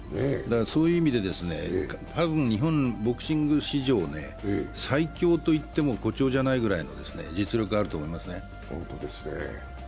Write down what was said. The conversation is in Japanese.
そういう意味で日本ボクシング史上最強といっても誇張じゃないくらい実力があると思いますね。